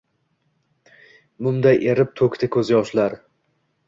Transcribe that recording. Mumday erib, toʼkdi koʼz yoshlar.